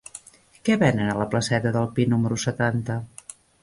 Què venen a la placeta del Pi número setanta?